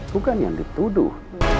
bukan yang dituduh